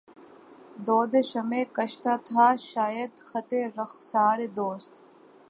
دودِ شمعِ کشتہ تھا شاید خطِ رخسارِ دوست